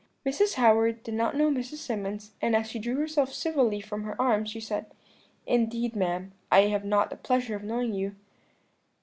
"Mrs. Howard did not know Mrs. Symonds, and as she drew herself civilly from her arms, she said: "'Indeed, ma'am, I have not the pleasure of knowing you.'